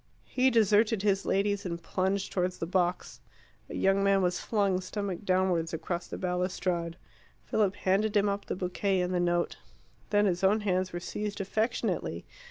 He deserted his ladies and plunged towards the box. A young man was flung stomach downwards across the balustrade. Philip handed him up the bouquet and the note. Then his own hands were seized affectionately.